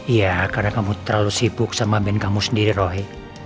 iya karena kamu terlalu sibuk sama band kamu sendiri rohi